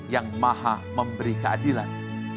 yang maha memberi keadilan